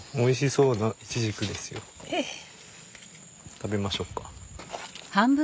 食べましょうか。